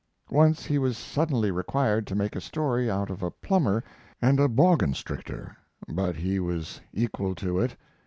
Once he was suddenly required to make a story out of a plumber and a "bawgunstrictor," but he was equal to it.